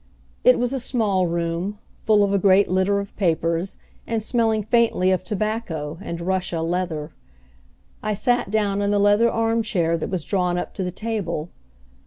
It was a small room, full of a great litter of papers, and smelling faintly of tobacco and Russia leather. I sat down in the leather armchair that was drawn up to the table.